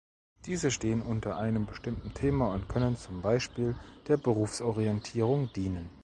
Diese stehen unter einem bestimmten Thema und können zum Beispiel der Berufsorientierung dienen.